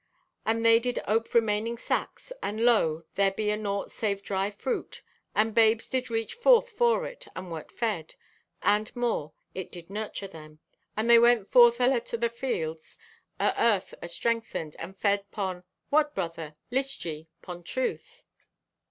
And they did ope remaining sacks and lo, there be anaught save dry fruit, and babes did reach forth for it and wert fed, and more, it did nurture them, and they went forth alater to the fields o' earth astrengthened and fed 'pon—what, Brother? List ye. 'Pon truth."